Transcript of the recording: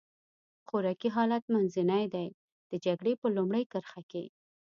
خوراکي حالت منځنی دی، د جګړې په لومړۍ کرښه کې.